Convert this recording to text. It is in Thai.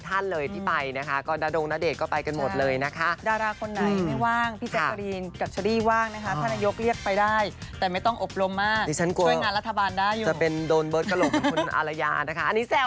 อัลยานะคะอันนี้แซวเล่นหยอก